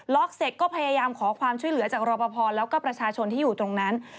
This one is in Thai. เสร็จก็พยายามขอความช่วยเหลือจากรอปภแล้วก็ประชาชนที่อยู่ตรงนั้น